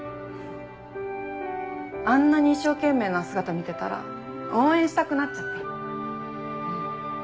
あんなに一生懸命な姿見てたら応援したくなっちゃって。